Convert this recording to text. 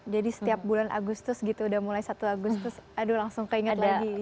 jadi setiap bulan agustus gitu udah mulai satu agustus aduh langsung keingat lagi